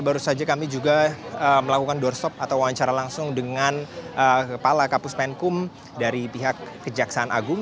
baru saja kami juga melakukan doorstop atau wawancara langsung dengan kepala kapus penkum dari pihak kejaksaan agung